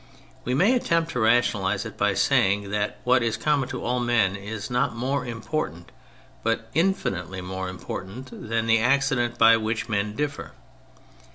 We may attempt to rationalise it by saying that what is common to all men is not more important but infinitely more im portant than the accidents by which men differ.